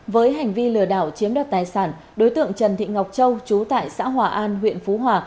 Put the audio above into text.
với hành vi lừa đảo chiếm đoạt tài sản đối tượng trần thị ngọc châu chú tại xã hòa an huyện phú hòa